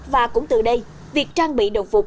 và cũng từ đây việc trang bị đồng phục